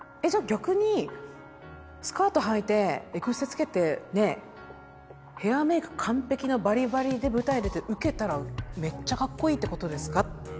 逆にスカートはいてエクステつけてヘアメーク完璧なバリバリで舞台出てウケたらめっちゃかっこいいってことですか？